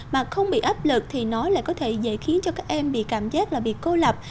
mà không bị áp lực thì nó lại có thể dễ khiến cho các em bị cảm giác là bị cô lập